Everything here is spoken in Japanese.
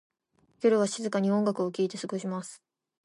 夜は静かに音楽を聴いて過ごします。